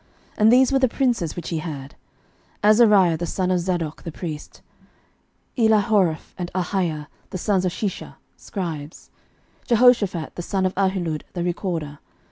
11:004:002 And these were the princes which he had; Azariah the son of Zadok the priest, 11:004:003 Elihoreph and Ahiah, the sons of Shisha, scribes; Jehoshaphat the son of Ahilud, the recorder.